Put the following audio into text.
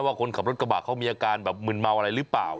ว่าคนขับรถกระบะเขามีอาการแบบมึนเมาอะไรหรือเปล่า